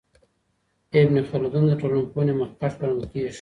ابن خلدون د ټولنپوهنې مخکښ ګڼل کیږي.